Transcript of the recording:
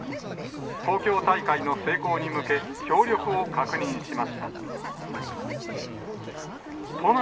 東京大会の成功に向け、協力を確認しました。